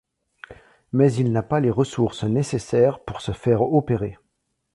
Mais il n'a pas les ressources nécessaires pour se faire opérer.